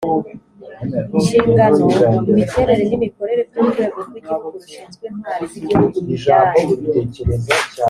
inshingano imiterere n imikorere by urwego rw igihugu rushinzwe intwari z igihugu imidari